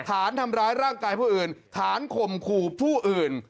ฐานทำร้ายร่างกายผู้อื่นฐานข่มขู่ผู้อื่น